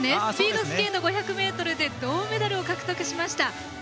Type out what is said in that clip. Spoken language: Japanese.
スピードスケート５００ｍで銅メダルを獲得しました。